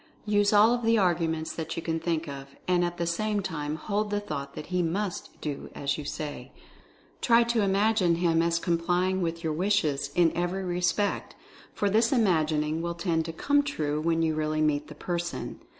Use all of the arguments that you can think of, and at the same time hold the thought that he MUST do as you say. Try to imagine him as complying with your wishes, in every respect, for this imagining will tend to 'come true* when you really meet the person.